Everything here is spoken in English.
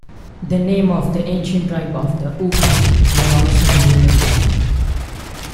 The name of the ancient tribe of the Ubii may also be related.